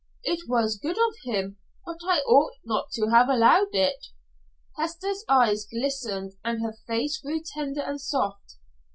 "It was good of him, but I ought not to have allowed it." Hester's eyes glistened and her face grew tender and soft.